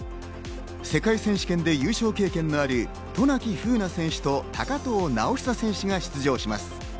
世界選手権で優勝経験のある渡名喜風南選手と高藤直寿選手が出場します。